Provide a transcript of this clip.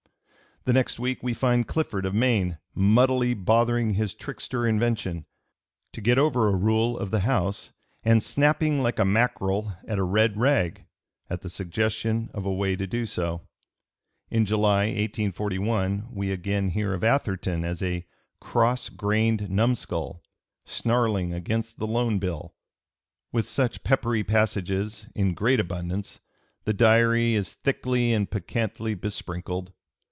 The next week we find Clifford, of Maine, "muddily bothering his trickster invention" to get over a rule of the House, and "snapping like a mackerel at a red rag" at the suggestion of a way to do so. In July, 1841, we again hear of Atherton as a "cross grained numskull ... snarling against the loan bill." With such peppery passages in great abundance the Diary is thickly and piquantly besprinkled.